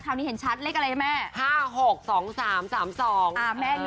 คราวนี้เห็นชัดเลขอะไรนะแม่